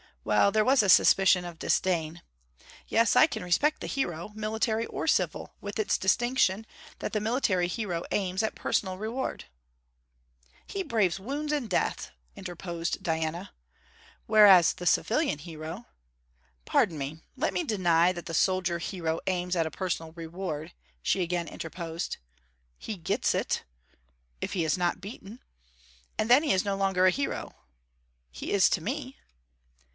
Well, there was a suspicion of disdain. Yes, I can respect the hero, military or civil; with this distinction, that the military hero aims at personal reward ' 'He braves wounds and death,' interposed Diana. 'Whereas the civilian hero ' 'Pardon me, let me deny that the soldier hero aims at a personal reward,' she again interposed. 'He gets it.' 'If he is not beaten.' 'And then he is no longer a hero.' 'He is to me.'